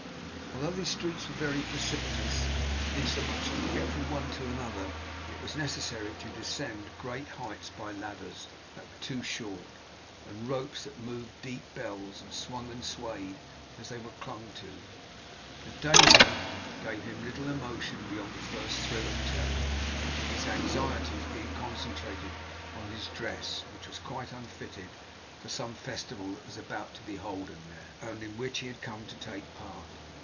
Although these streets were very precipitous, insomuch that to get from one to another it was necessary to descend great heights by ladders that were too short, and ropes that moved deep bells, and swung and swayed as they were clung to, the danger gave him little emotion beyond the first thrill of terror; his anxieties being concentrated on his dress which was quite unfitted for some festival that was about to be holden there, and in which he had come to take a part.